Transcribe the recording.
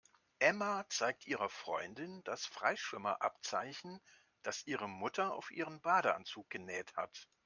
Emma zeigt ihrer Freundin das Freischwimmer-Abzeichen, das ihre Mutter auf ihren Badeanzug genäht hat.